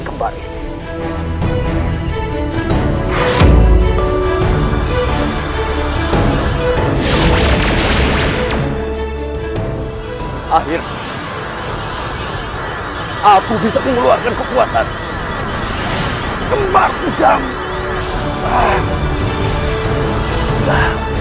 terima kasih atas dukungan anda